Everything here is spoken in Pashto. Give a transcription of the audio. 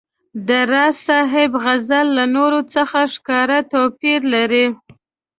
د راز صاحب غزل له نورو څخه ښکاره توپیر لري.